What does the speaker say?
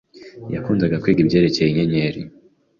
Yakundaga kwiga ibyerekeye inyenyeri,